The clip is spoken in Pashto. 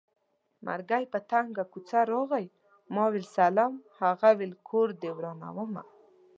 مرګی په تنګه کوڅه راغی ما وېل سلام هغه وېل کور دې ورانومه